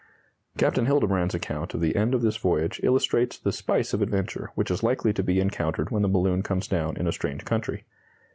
Captain Hildebrandt's account of the end of this voyage illustrates the spice of adventure which is likely to be encountered when the balloon comes down in a strange country.